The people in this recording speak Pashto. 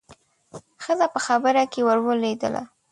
ښځه په خبره کې ورولوېدله.